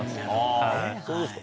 はぁそうですか。